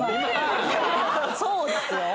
そうですよ